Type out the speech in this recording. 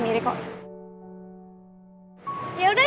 gue bisa kok kayak sendiri kok